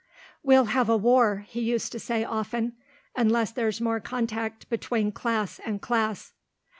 "We'll have a war," he used to say often, "unless there's more contact between class and class."